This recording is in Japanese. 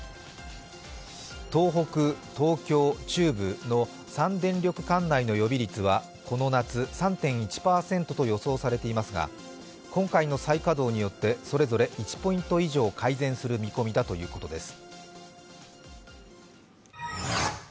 東北、東京、中部の３電力管内の予備率は、この夏３．１％と予想されていますが今回の再稼働によって、それぞれ１ポイント以上、改善する見込みだということです。